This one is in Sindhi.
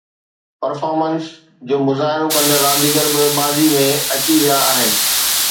پرفارمنس جو مظاهرو ڪندڙ رانديگر به ماضي ۾ اچي ويا آهن.